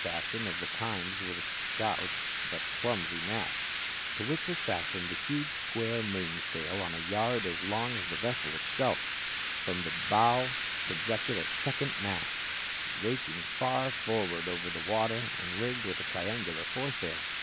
429 fashion of the times with a stout but clumsy mast, to which was fastened the huge square main sail on a yard as long as the vessel itself From the bow pro jected a second mast, raking far forward over the water and rigged with a triangular fore sail.